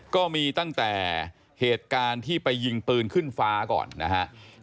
ก็มีตั้งแต่เหตุการณ์ที่ไปยิงปืนขึ้นฟ้าก่อนนะครับ